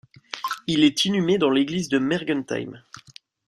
Il est inhumé dans l'église de Mergentheim.